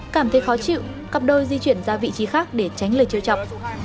cảm thấy khó chịu cặp đôi di chuyển ra vị trí khác để tránh lời chiêu chọc